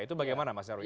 itu bagaimana mas syarwi